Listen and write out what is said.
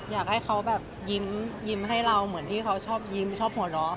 อยากให้เขาแบบยิ้มให้เราเหมือนที่เขาชอบยิ้มชอบหัวเราะ